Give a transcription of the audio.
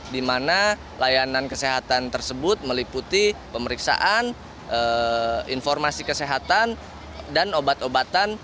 di mana layanan kesehatan tersebut meliputi pemeriksaan informasi kesehatan dan obat obatan